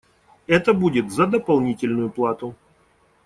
Это будет за дополнительную плату.